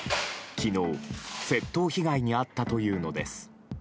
昨日、窃盗被害に遭ったというのです。